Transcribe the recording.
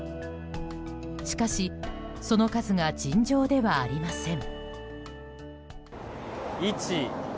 しかしその数が尋常ではありません。